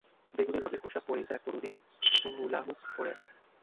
বেগুনী রঙের পোশাক পরিহিত এক তরুণী হুলাহুপ পরে আছে।